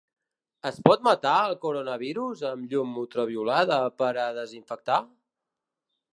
Es pot matar el coronavirus amb llum ultraviolada per a desinfectar?